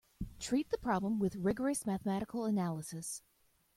Treat the problem with rigorous mathematical analysis.